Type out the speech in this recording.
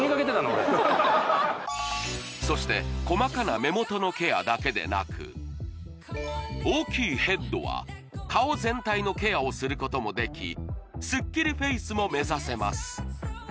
俺そして細かな目元のケアだけでなく大きいヘッドは顔全体のケアをすることもできスッキリフェイスも目指せます